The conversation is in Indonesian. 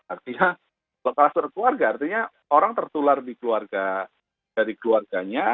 artinya kalau klaster keluarga artinya orang tertular dari keluarganya